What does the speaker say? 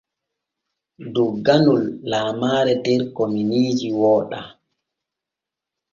Dogganol lamaare der kominiiji wooɗa.